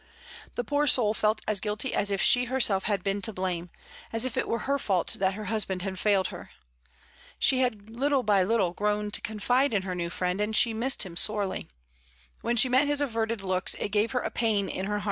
The poor soul felt as guilty as if she herself had been to blame, as if it was her fault that her husband had failed her. She had little by little grown to confide in her new friend, and she missed him sorely. When she met his averted looks it gave her a pain in her "TELL ME WHY SUSANNA'S FAIR."